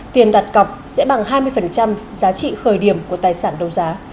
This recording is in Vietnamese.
tiền đặt cọc sẽ bằng hai mươi giá trị khởi điểm của tài sản đấu giá